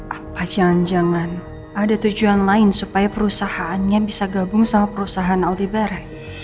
apa jangan jangan ada tujuan lain supaya perusahaannya bisa gabung sama perusahaan altibara